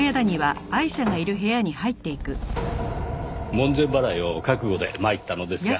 門前払いを覚悟で参ったのですが。